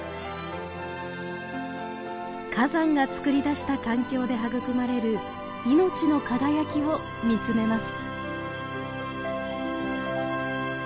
火山がつくり出した環境で育まれる命の輝きを見つめます。